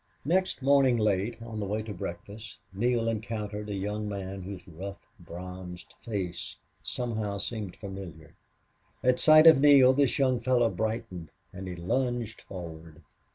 Next morning late, on the way to breakfast, Neale encountered a young man whose rough, bronzed face somehow seemed familiar. At sight of Neale this young fellow brightened and he lunged forward.